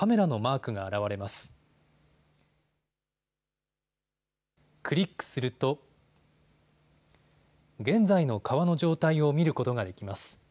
クリックすると現在の川の状態を見ることができます。